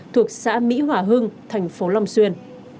thuộc xã mỹ hỏa hưng thành phố lòng xuyên